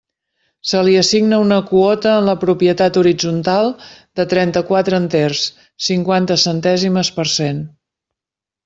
Se li assigna una quota en la propietat horitzontal de trenta-quatre enters, cinquanta centèsimes per cent.